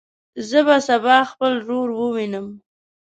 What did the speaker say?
زه به سبا خپل ورور ووینم.